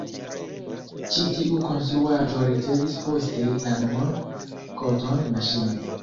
Ĉi tiu konstruaĵo ricevis poste la nomon „koton-maŝino“.